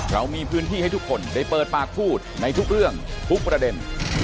เรามีพื้นที่ให้ทุกคนได้เปิดปากพูดในทุกเรื่องทุกประเด็น